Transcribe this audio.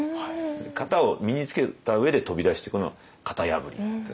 型を身につけた上で飛び出してくのが型破りという。